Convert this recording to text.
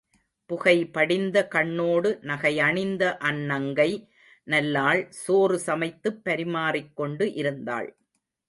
புகை படிந்த கண்ணோடு நகை அணிந்த அந் நங்கை நல்லாள் சோறு சமைத்துப் பரிமாறிக் கொண்டு இருந்தாள்.